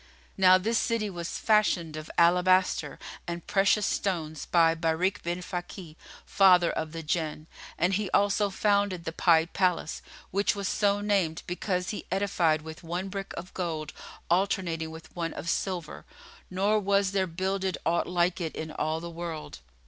Now this city was fashioned of alabaster and precious stones by Bárik bin Fáki', father of the Jinn, and he also founded the Pied Palace, which was so named because edified with one brick of gold alternating with one of silver, nor was there builded aught like it in all the world.